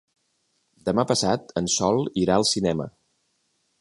Demà passat en Sol irà al cinema.